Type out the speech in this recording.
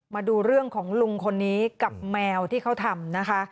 มาดูเรื่องของลุงคนนี้กับแมวที่เขาทำนะคะ